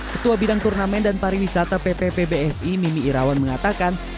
ketua bidang turnamen dan pariwisata pppbsi mimi irawan mengatakan